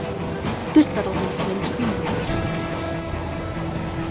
This settlement came to be known as Newcastle.